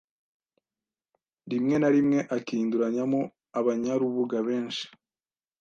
rimwe na rimwe akihinduranyamo abanyarubuga benshi.